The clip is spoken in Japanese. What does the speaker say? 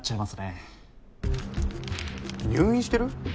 えっ入院してる？